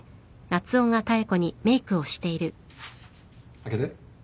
開けて。